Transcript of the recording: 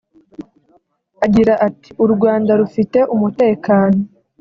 Agira ati “U Rwanda rufite umutekano